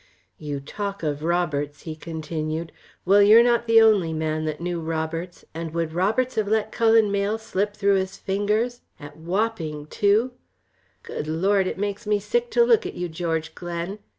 "You talk of Roberts," he continued, "well you're not the only man that knew Roberts, and would Roberts have let Cullen Mayle slip through his fingers at Wapping too? Good Lord, it makes me sick to look at you, George Glen!"